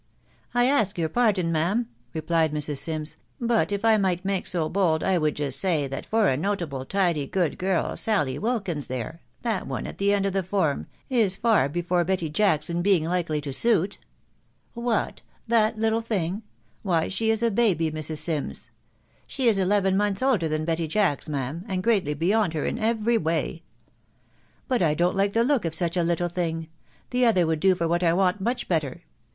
" I ask your pardon, ma'am," replied Mrs. Sims ; <f but if I might make so bold, J would just say, that for a notable, tidy, good girl, Sally Wilkins there, that one at the end of the form, is far before Betty Jacks in being likely to suit/' " What !.... that little thing ? Why, she is a baby, Mrs. Sims." " She is eleven months older than Betty Jacks, ma'am, and greatly beyond her in every way." <: But I don't like the look of such a little thing. The other would do for what I want much better.